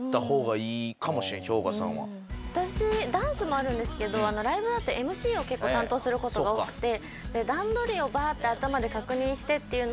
私ダンスもあるんですけどライブだとＭＣを結構担当することが多くて。